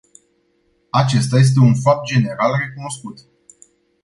Acesta este un fapt general recunoscut.